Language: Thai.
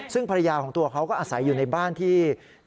ซึ่งภรรยาของตัวเขาก็อาศัยอยู่ในบ้านที่